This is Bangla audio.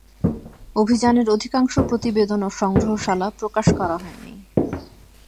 অভিযানের অধিকাংশ প্রতিবেদন ও সংগ্রহশালা প্রকাশ করা হয়নি।